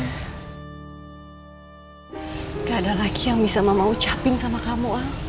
tidak ada lagi yang bisa mama ucapin sama kamu